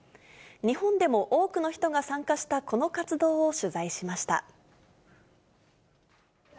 日本でも多くの人が参加したこの活動を取材しました。